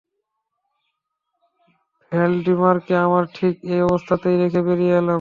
ভ্যালডিমারকে আমরা ঠিক এই অবস্থাতেই রেখে বেরিয়ে এলাম।